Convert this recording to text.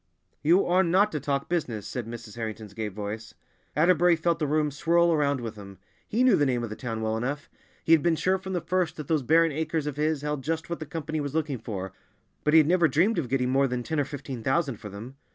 "You are not to talk business," said Mrs. Harrington's gay voice. Atterbury felt the room swirl around with him; he knew the name of the town well enough! He had been sure from the first that those barren acres of his held just what the Company was looking for, but he had never dreamed of getting more than ten or fifteen thousand for them.